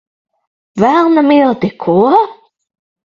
Velna milti! Ko?